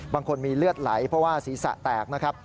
บางคนมีเลือดไหลเพราะว่าศีรษะแตกนะครับ